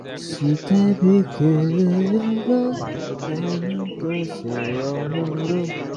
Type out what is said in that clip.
রাজধানীর বাড্ডা থানা এলাকায় গতকাল শনিবার নির্মাণাধীন ভবনের দেয়ালচাপায় দুজন শ্রমিক নিহত হয়েছেন।